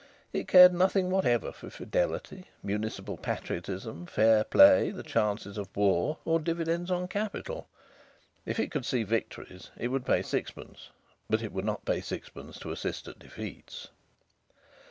It cared nothing whatever for fidelity, municipal patriotism, fair play, the chances of war, or dividends on capital. If it could see victories it would pay sixpence, but it would not pay sixpence to assist at defeats.